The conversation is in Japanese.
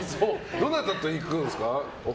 どなたと行くんですか？